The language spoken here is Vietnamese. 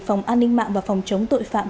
phòng an ninh mạng và phòng chống tội phạm